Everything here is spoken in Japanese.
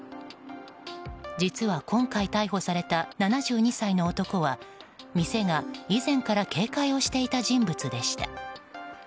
実は、今回逮捕された７２歳の男は店が以前から警戒をしていた人物でした。